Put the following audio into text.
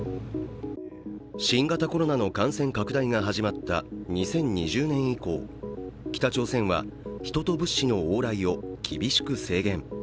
新型コロナの感染拡大が始まった２０２０年以降、北朝鮮は人と物資の往来を厳しく制限。